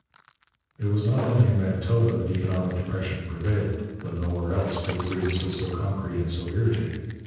It was not only in Manitoba that economic depression prevailed, though nowhere else were the grievances so concrete and so irritating.